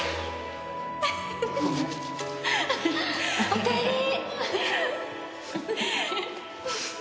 おかえり！